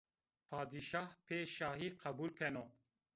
Padîşah pê şayî qebul keno